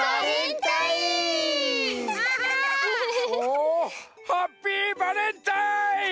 おおハッピーバレンタイン！